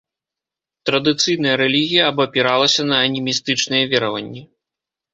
Традыцыйная рэлігія абапіралася на анімістычныя вераванні.